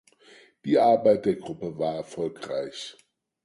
Die Arbeit der Gruppe war erfolgreich.